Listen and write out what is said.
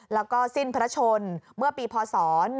แล้วก็สิ้นพระชนเมื่อปีพศ๑๕